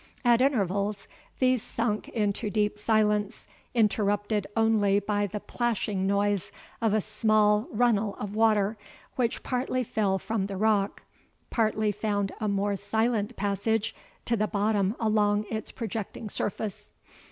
At intervals, these sunk into deep silence, interrupted only by the plashing noise of a small runnel of water, which partly fell from the rock, partly found a more silent passage to the bottom along its projecting surface.